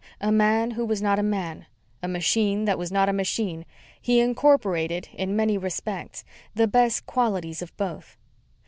A man who was not a man, a machine that was not a machine, he incorporated, in many respects, the best qualities of both.